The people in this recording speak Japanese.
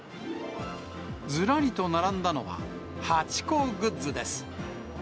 ずらりと並んだのは、ハチ公グッズです。